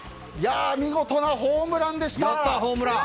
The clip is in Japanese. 見事なホームランでした。